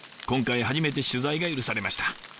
今回初めて取材が許されました。